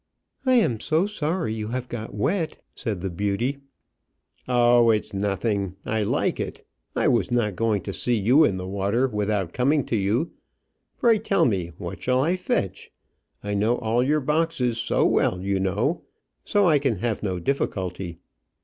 "I am so sorry you have got wet," said the beauty. "Oh! it's nothing; I like it. I was not going to see you in the water without coming to you. Pray tell me what I shall fetch. I know all your boxes so well, you know, so I can have no difficulty.